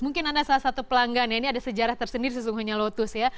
mungkin anda salah satu pelanggan ya ini ada sejarah tersendiri sesungguhnya lotus ya